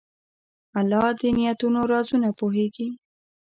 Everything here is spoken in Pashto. الله د نیتونو رازونه پوهېږي.